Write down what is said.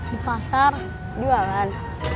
di pasar di jualan